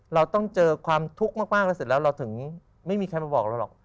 เราต้องเจอความทุกข์มากแล้วเสร็จแล้วเราถึงไม่มีใครมาบอกเราหรอก